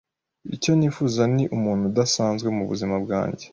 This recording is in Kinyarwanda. Icyo nifuza ni umuntu udasanzwe mubuzima bwanjye.